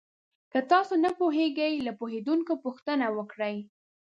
که تاسو نه پوهېږئ، له پوهېدونکو پوښتنه وکړئ.